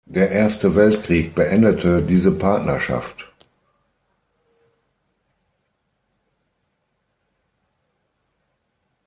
Der Erste Weltkrieg beendete diese Partnerschaft.